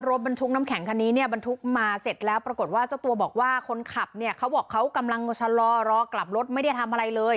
รถบรรทุกน้ำแข็งคันนี้เนี่ยบรรทุกมาเสร็จแล้วปรากฏว่าเจ้าตัวบอกว่าคนขับเนี่ยเขาบอกเขากำลังชะลอรอกลับรถไม่ได้ทำอะไรเลย